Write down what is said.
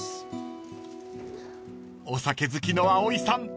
［お酒好きの葵さん